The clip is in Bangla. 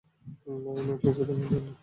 মা, এই নেকলেসটি তোমার জন্য।